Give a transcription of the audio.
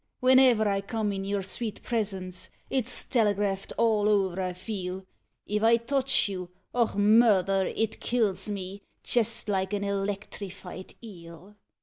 Whene'er I come in your sweet presence It's telegraphed all o'er I feel; If I touch you, och! murther! it kills me Jest like an electrified eel.